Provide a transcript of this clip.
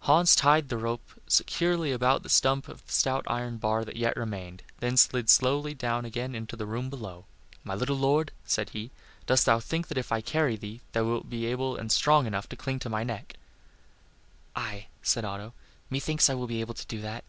Hans tied the rope securely about the stump of the stout iron bar that yet remained, and then slid down again into the room below. "My little lord," said he, "dost thou think that if I carry thee, thou wilt be able and strong enough to cling to my neck?" "Aye," said Otto, "methinks I will be able to do that."